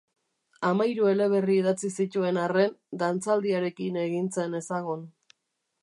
Hamahiru eleberri idatzi zituen arren, Dantzaldiarekin egin zen ezagun.